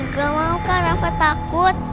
gak mau kak rafa takut